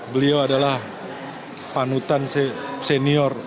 beliau adalah panutan senior